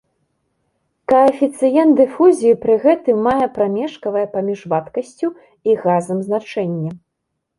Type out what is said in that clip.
Каэфіцыент дыфузіі пры гэтым мае прамежкавае паміж вадкасцю і газам значэнне.